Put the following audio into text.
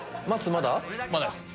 まだです。